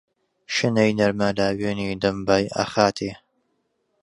شنەی نەرمە لاوێنی دەم بای ئەخاتێ.